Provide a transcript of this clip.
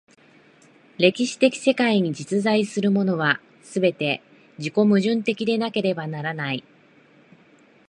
歴史的世界に実在するものは、すべて自己矛盾的でなければならない。